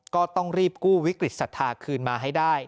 ก็ต้องรีบกู้วิกฤตศรัทธาคืนมาให้ได้